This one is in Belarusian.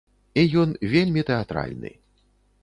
І ён вельмі тэатральны.